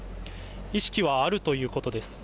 意識はあるということです。